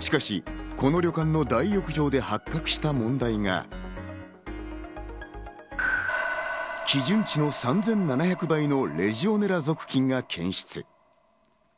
しかし、この旅館の大浴場で発覚した問題が基準値の３７００倍のレジオネラ属菌が検出。